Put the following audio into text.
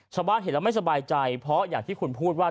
ชาวบ้านเห็นแล้วไม่สบายใจเพราะอย่างที่คุณพูดว่า